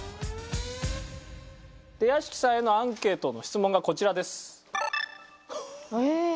屋敷さんへのアンケートの質問がこちらです。